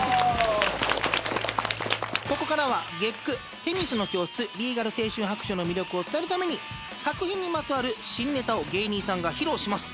ここからは月９『女神の教室リーガル青春白書』の魅力を伝えるために作品にまつわる新ネタを芸人さんが披露します。